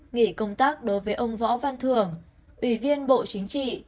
nghỉ công tác đối với ông võ văn thường ủy viên bộ chính trị